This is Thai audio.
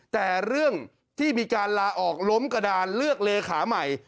แต่เรื่องที่มีการลาออกล้มกระดานเลือกเลขาใหม่